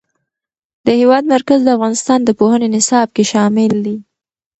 د هېواد مرکز د افغانستان د پوهنې نصاب کې شامل دي.